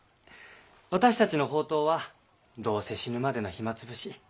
私たちの放蕩はどうせ死ぬまでの暇つぶし。